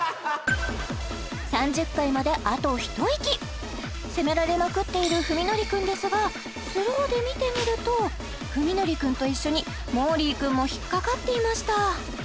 ３０回まであと一息責められまくっている史記くんですがスローで見てみると史記くんと一緒にＭＯＲＲＩＥくんも引っかかっていました